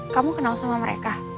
kamu kenal sama mereka